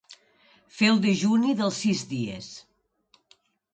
Fer el dejuni dels sis dies.